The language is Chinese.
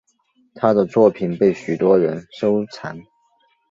她的作品被许多人收藏。